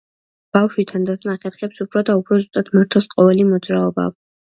ბავშვი თანდათან ახერხებს უფრო და უფრო ზუსტად მართოს ყოველი მოძრაობა.